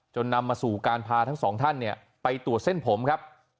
นำมาสู่การพาทั้งสองท่านไปตรวจเส้นผมครับ